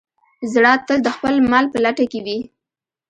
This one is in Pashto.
زړه تل د خپل مل په لټه کې وي.